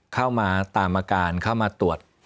เข้ามาตามอาการเข้ามาตรวจ